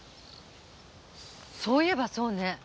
そういえばそうね。